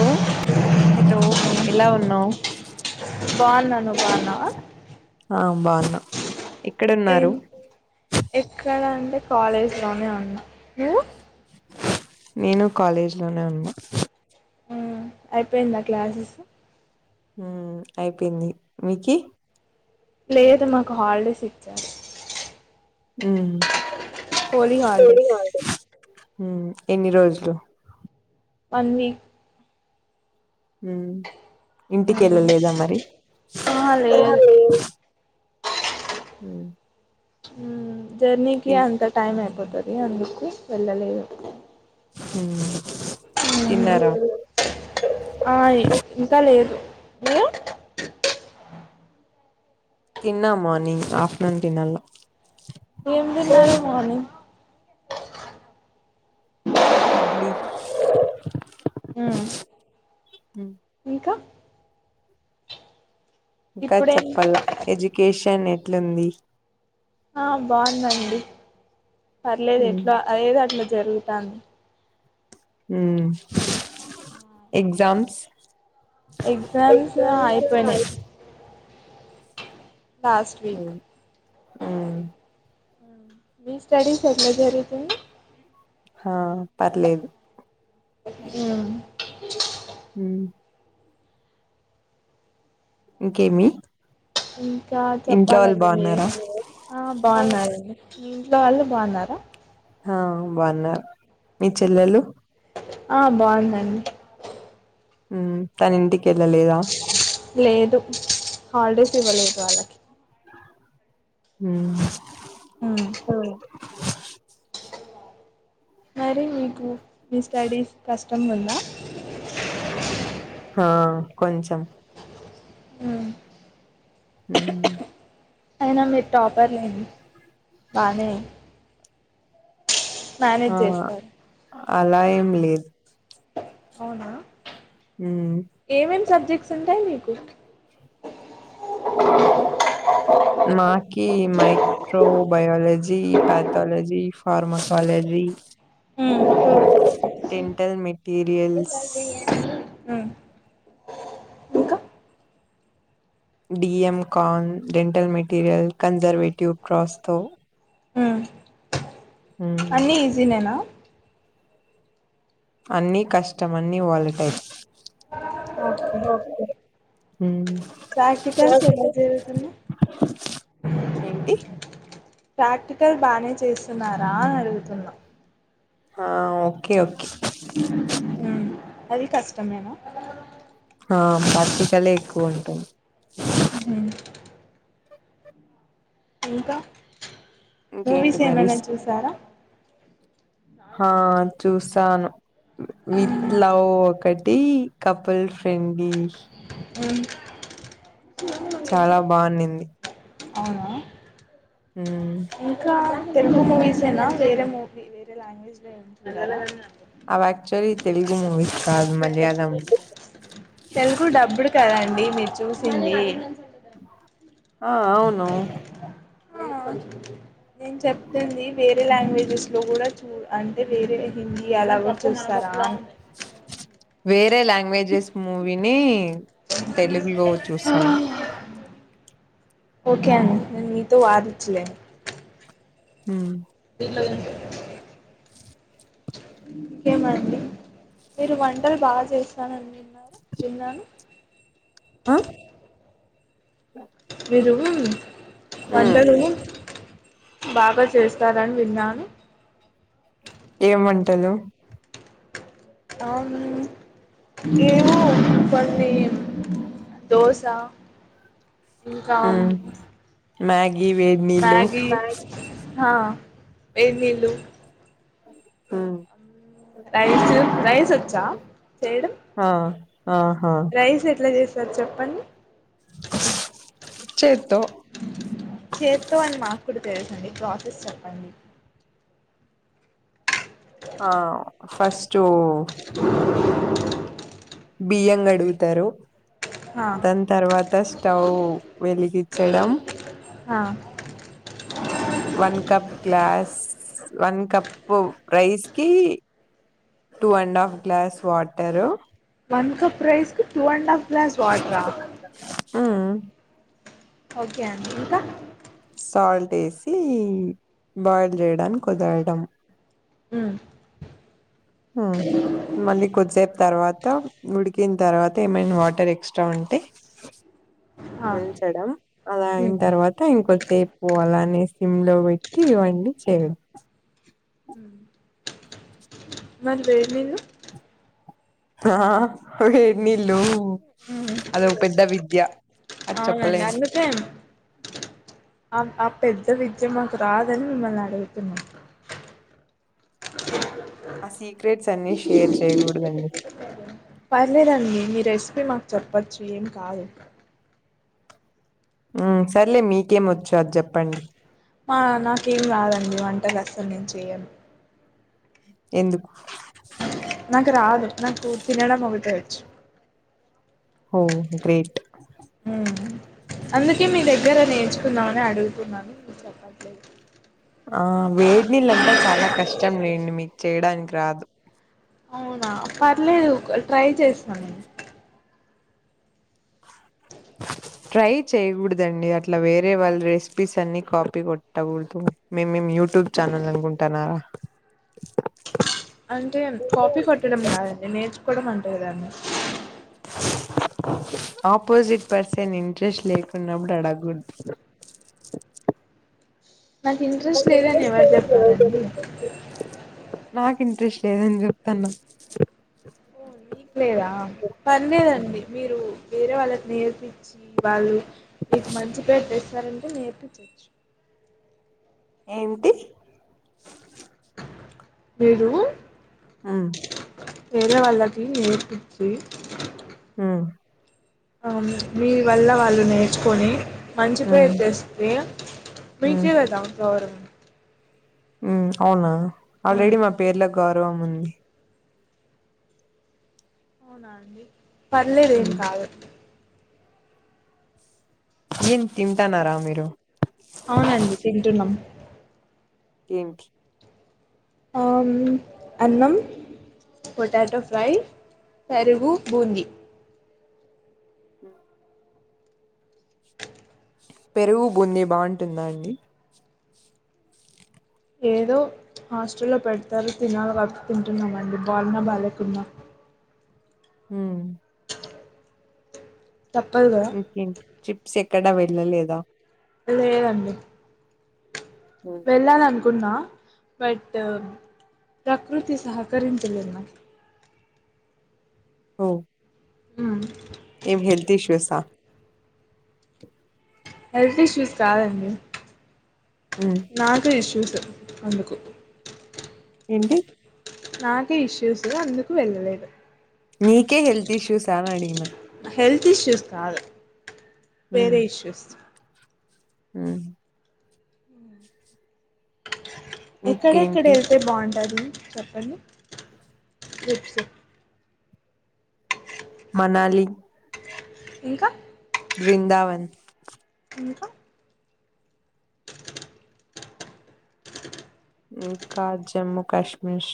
Hello hello ఎలా ఉన్నావు్ పాల నను ఆ బాగున్నా ఏం ఇక్కడన్నారు ఎక్కడ అంటే కాలేజ్ లోనే ఉన్నా నేను కాలేజీలోనే ఉన్నా అయిపోయింది ఆ క్లాసెస్ అయిపోయింది మీక లేదా మాకు హాలిడేస్ ఇచ్చి ఆ హలీ హాలిడేస్ ఎన్ని రోజులు వన్ వీక్ హ ఇంటికి వెళ్ళలేదా మరి ఆహా లేదు అవు హ జర్నీకి అంత టైమ్ అయిపో రి అందుకు వెళ్ళలేదు హ హై ఇంకా లేదు బ తిన్నా మార్నింగ్ ఆఫటర్నూన్ తిన్నాల ఏం తిన్నారు మార్నింగ్ ఇడ్లీ మ్మ్ ఇంకా ఇంకా ఇప్పుడేం చెప్పాల ఎడ్యుకేషన్ ట్లంది ఆ బాగుందండి పర్లేదు ఉమ్ ఎట్లా అదేది అట్లు జరుగుతుాంది ఎగజామ్స్ ఎగ్జామ్స్ అయిపోయినా వీక్ ఆ మీ స్టడస్ ఎట్ల జరిగాయి ఆ పర్లేదు మ్ మ్ ఇంకేమి ఇంకా ఇంట్లో వాళ్ళు చెప్పాలండి మీరె బాగున్నారా ఆ బాగున్నారండి లా వాళ్ళు బాగున్నారా ఆ బాగున్నారు మీ చెల్లెలు ఆ బాగుందండి తా ఇంటి కీ వెళ్లలేదా లేదు హాలిడేస్ ఇవ్వలేదు వాళ్ళకి మ్ మ్ మరి మీకు మీ స్టడీస్ కస్ మత్తమ్ ఉన్నా ఆ కొంచెం మ్ మ్ అయినా మీరు టాపర్ లేం బానే ఆ మేనేజ్ చేస్తారు అలా ఏం లేదు అవునా మ్ ఏమేమి సబ్జెక్ట్స్ ఉంటాయి మీకు మాకి మైక్రో బయోలజీ పథాలజీ ఫార్మాసాలజీ ఉమ్. దెన్ ల్ మెటీరియల్స్ మ్ డిఎం కాన్ డెంటల్ మెటీరియల్ కన్జర్వేటివ్ ప్ర్రాస్తో అన్ని ఈజీ నేనా అన్నీ కష్టమన్నీ వాలకై ఓకే మ్ ప్రాక్టిికల్స్ ఎలా జరుగుతున్నాయి ఏంటి ప్రాక్టికల్ బానే చేస్తున్నారా అని అడుగుతున్నా ఆ ఓకే ఓకే మ్ అది కష్టమేన ఆ ప్రాక్టికలే ఎక్కువ ఉంటుంది. ఉహ్ హు ఇంకా ఇంకేంటి మూవీస్ మరి ఏమైనా చూసారా. ఆహ్ చూసు తాను విత్ ఉమ్ లవ్ ఒక్కట్ కపుల్ ఫ్రెండిష్ అవును చాలా బావున్నింది అవునా ఉహ్మ్ ఇంకా తెలుగు మూవీసేనా వేరే మూవీ వేరే లాంగ్వేజ్ లో ఏమైనా వెళ్లలేదా అవ యాక్చువల్లీ తెలుగు మూవీస్ కాదు మలయాళం తెలుగు డబ్బుడ్ కదండి మీరు చూసింది. ఉహ్ ఆ అవును హా నేను చెప్తుంది. వేరే లాంగ్వేజెస్ లో కూడా చూ అంటే వేరే హిందీ అలా గూడా చూస్తారా అని వేర్ లాంగ్వేజస్ మూవీ నీ తెలుగులో చూస్తామ ఓకే అండి నేను మీతో వాదించలేను. ఉహ్మ్ హలో ఇంకెమండి మీరు వంటలు బాగా చేస్తారని విన్నారూ విన్నాను. హా మీరు ఉమ్ వంటాలు బాగా చేస్తారని విన్నాను. ఏం వంటలు అవును ఏమో పన్నీం దోశ ఇంకా మ్యాగ్ ఈ వేడినీళ్లు వేడినీళ్ళు ఉహ్ రైస్ రైస్ చ్చా చేయడం ఆ ఆహా రైస్ ఎట్ల చేస్ సరె చెప్పండి చేత్తో చేతొ అని మాకు కూడా తెలుసండి ప్రాసెస్ చెప్పండి ఆ ఫస్ట్ బియ్యం గడుగుతారు ఆ దాని తర్వాత స్టౌవ్ వెలిగిచడం ఆ one cup glass one cup rice కి two and half glass water one cup rice కి టూ అండ్ ఆఫ్ గ్లాస్ వాటరా మ్ ఓకే అండి ఇంకా సాల్ట్ ఎసి బాయిల్ చేయడానికి కుదరడం మ్ మ్ మళ్ళీ కొద్దిసేపు తర్వాత ఉడికిన తర్వాత ఏమైనా వాటర్ ఎక్స్ట్రా ఉంటే ఆ ఉంచడం అలా అయిన ఉమ్ తర్వాత ఇంకొ సేపు అలానే సిమ్ లో పెట్టి ఇవన్నీ చేయ మరి వేవిన్ ఆ వేడినీళ్లు ఉమ్ అదొక పెద్ద విద్య అది అవునండి చెప్పలేము అందుకే పెద్ద విద్య మాకు రాదని మిమ్మల్ని అడుగుతున్నాం ఆ సిక్రెట్స్ అన్నీ షేర్ చేయకూడదండి పర్లేదండి మీ రెసిపీ మాకు చెప్పచ్చు ఏం కాదు సరలే మీకేమ్ వచ్చు అది చెప్పండి నాకేం రాదండి వంట అసలు నేను చెయను ఎందుకు నాకు రాదు నా కూ తినడం ఒకటే వచ్చు ఒ గ్రేట్ మ్ అందుకే మీ దగ్గర నేర్చుకుందామని అడుగుతున్నాను మీకు చెప్పట్లేదు ఆ వేడినీళ్ళంతా చాలా కష్టం నేను మీకు చేయడానికి రాదు అవునా పర్లేదు ట్రై చేస్తాను నేను ట్రై చేయకూడదండి, అట్లా వేరే వాళ్ళ రెసిపీస్ అన్ని కాపీ కొట్టకూడదు మేం యూట్యూబ్ ఛానల్ అనుకుంటున్నారా అంటే కాపీ కొట్టడం కాదండి నేను కూడా అంటారు దాన్ని ఆపోజిట్ పర్సన్ ఇంట్రెస్ట్ లేకున్నప్పుడు అడ గుడ్ నాకు ఇంట్రెస్ట్ లేదని ఎవరు చెప్పారంండి నాకు ఇంట్రెస్ట్ లేదని చెప్తాను మీకు లేదా పనిలేదండి మీరు వేరే వాళ్ళకి నేర్పించి వాళ్ళు మీకు మంచి పేరు తెస్తారంటే నేర్పించచ్చు ఏంటి మీరు ఆ పేరే వాళ్ళకి నేర్పచ్చి ఆ ఆ మీ వల్ల వాళ్ళు నేర్చుకొని మంచి ఉమ్ పేరు చేస్తే మీకే కదాం ఫ్వర్ ఉ అవునా హ్మ్ ఆల్్రెడి మా పేర్ల గర్వం ఉంది అవునాడి పర్లేదు ఏం కాదు చి తింంటా నా రా మీరు అవునండి తింటున్నాం ఏంక అన్నం పొటాటో ఫ్రై పెరుగు బూంది అ పెరుగు బూన్నె బాగుంటుందా అండి ఏదో హాస్టల్లో పెడతారో తినాలి క తింటున్నామండి బాలన బాలకున్నా హ తప్పదు కదా ఓకే ట్రిప్స్ ఎక్కడ వెళ్ళలేదా అదేవండి వెళ్ళనం కున్నా బట్ ప్రకృతి సహకరించలే నాకు ఓ ఆ ఏం హెల్త్ ఇష్యూస్ హెల్త్ ఇష్యూస్ కాదండి ఉమ్ నా కష్ అందుకు ఏంటి నాకే ఇష్యూస్ అందుకు వెళ్ళలేదు నకే హెల్త్ ఇష్యూస్ ఎలా అడినా హెల్త్ ఇష్యూస్ కాదు వేరే ఇష్యూస్ హ ఎక్కడెక్కడ ఇంకేంటి వెళ్తే బాగుంటది చెప్పండి చెప్పు చె మనాలి ఇంకా వృందావన్ ఇంకా కా జమ్మూకాశ్మీర్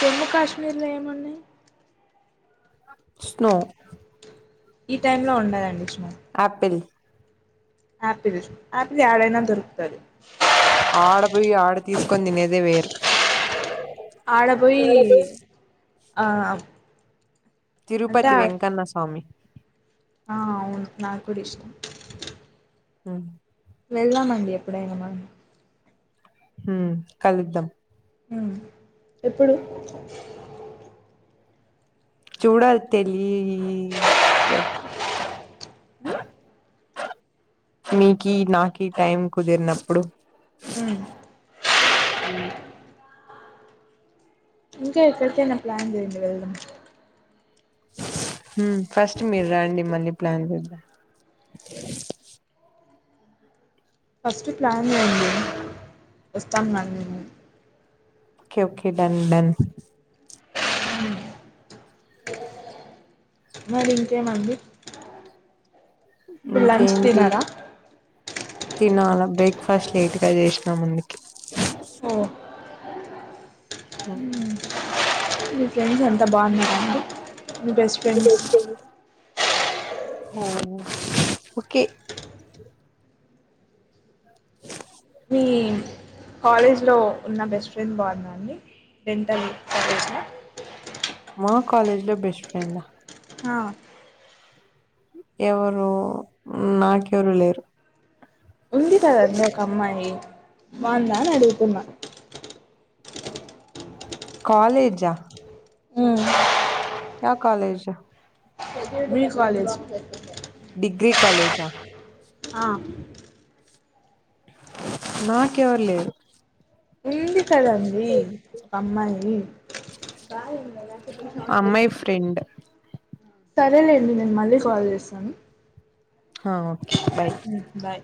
జమ్మూ కశ్మీర్లేమనే స్నో ఈ టైమ్ లో ఉండదండి ఆపిల్ ఆపిిల్ ఆపిిల్ యాడైనా దొర్కుతదు ఆడ పోయి ఆడ తీసుకొని తినేదే వేరు ఆడ పోయి ఆ అంటే తిరుపతి ఆ వెంకన్నస్వామి ఆ అవును నాకు కూడా ఇష్టం ఆ వెళ్దమండి ఎప్పుడ ఏనమా హ కలుద్దాం ఆ ఎప్పుడు చూడ తెలి ఎ ఉమ్ మీకి నాక టైం కుదిరినప్పుడు హ హ ఇంకా ఎక్కడికనా ప్లాన్ చేయండి వెళ్దాం ఫస్ట్ మీరు రండి మళ్ళీ ప్లాన్ చేద్దా ఫస్ట్ ప్లాన్ చేయండి వస్తాం నను నేను ఓకే ఓకే డన్ డన్ మరి ఇంకేమండి ఇప్పుడు లంచ్ ఇంకేంటి తిన్నారా తినాల బ్రేక్ఫాస్ట్ లేట్గ చేసినా ముందుకి ఓ మీ ఫ్రెండ్స్ అంత బాగున్నార అండి మీ బెస్ట్ ఫ్రెండ్స్ ఒకే మీ కాలేజ్లో ఉన్న బెస్ట్ ఫ్రెండ్ బాగుందాండి డెంటల్ కాలేజ్లో మా కాలేజీలో బెస్ట్ ఫ్రెండ్ ఆ ఆ ఎవరూ నాకెవరు లేరు ఉంది కదండి ఒక అమ్మాయి బాగుందా అని అడుగుతున్న కాలేజా ఉ మా కాలేజ మీ కాలేజ్ డిగ్రీ కాలేజా ఆ నాకెవరు లేరు ఉందీ కదండీ ఒక అమ్మాయి అమ్మాయి ఫ్రెండ్ సరేలేండి నేను మళ్ళీ కాల్ చేస్తాను హ ఓకె బాయ్ బాయ్